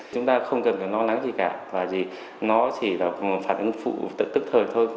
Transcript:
chúng ta không cần lo lắng gì cả nó chỉ là phản ứng phụ tức thời thôi